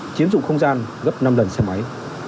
chiếm dụng không gian gấp năm lần xe máy